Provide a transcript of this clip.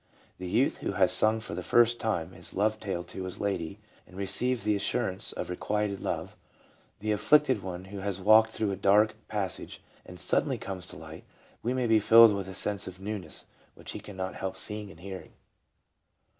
The youth who has sung for the first time his love tale to his lady and receives the assurance of requited love, the afflicted one who has walked through a dark passage and suddenly comes to the light, may be filled with a sense of newness which he cannot help " seeing " and " hearing."